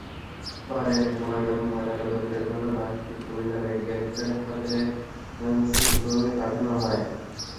পরে ময়নাতদন্তের জন্য লাশটি কুমিল্লা মেডিকেল কলেজ হাসপাতালের ফরেনসিক বিভাগে পাঠানো হয়।